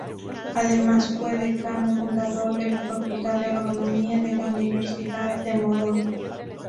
Además fue Decano Fundador de la Facultad de Agronomía de la Universidad de Morón.